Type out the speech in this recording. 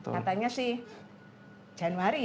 katanya sih januari